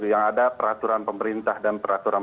yang ada peraturan pemerintah dan peraturan